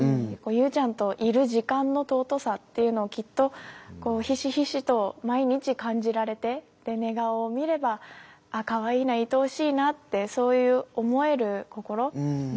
友ちゃんといる時間の尊さっていうのをきっとひしひしと毎日感じられて寝顔を見ればあっかわいいないとおしいなってそういう思える心。